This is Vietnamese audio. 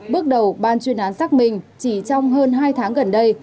bước đầu ban chuyên án xác minh chỉ trong hơn hai tháng gần đây